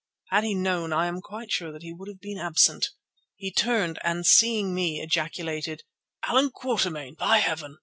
Had he known I am quite sure that he would have been absent. He turned, and seeing me, ejaculated: "Allan Quatermain, by heaven!"